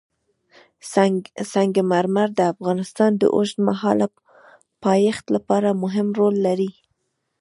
سنگ مرمر د افغانستان د اوږدمهاله پایښت لپاره مهم رول لري.